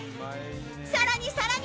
さらにさらに。